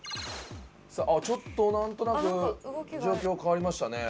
ちょっと何となく状況変わりましたね。